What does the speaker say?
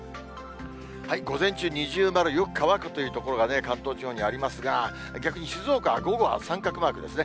午前中、二重丸、よく乾くという所が、関東地方にありますが、逆に静岡は午後は三角マークですね。